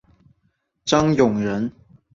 张永人。